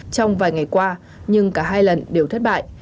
trong vài ngày qua nhưng cả hai lần đều thất bại